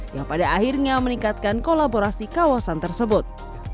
yang pada akhirnya meningkatkan kolaborasi kawasan tersebut